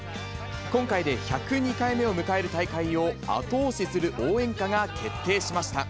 今回で１０２回目を迎える大会を後押しする応援歌が決定しました。